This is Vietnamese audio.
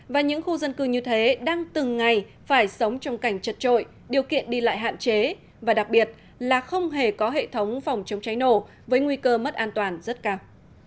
và những khu dân cư như thế đang từng ngày phải sống trong cảnh chật trội điều kiện đi lại hạn chế và đặc biệt là không hề có hệ thống phòng chống cháy nổ với nguy cơ mất an toàn rất cao